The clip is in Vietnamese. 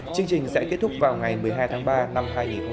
chương trình sẽ kết thúc vào ngày một mươi hai tháng ba năm hai nghìn một mươi bảy